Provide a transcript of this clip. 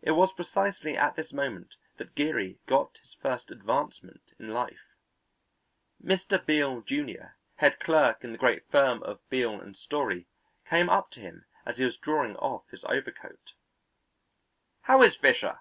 It was precisely at this moment that Geary got his first advancement in life. Mr. Beale, Jr., head clerk in the great firm of Beale & Story, came up to him as he was drawing off his overcoat: "How is Fischer?"